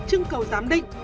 trưng cầu giám định